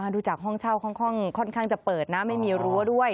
ดูจากห้องเช่าค่อนข้างจะเปิดนะไม่มีรั้วด้วย